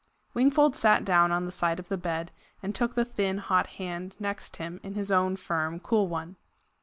Wingfold sat down on the side of the bed, and took the thin, hot hand next him in his own firm, cool one.